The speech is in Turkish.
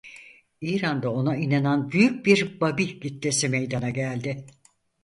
İran'da ona inanan büyük bir Babi kitlesi meydana geldi.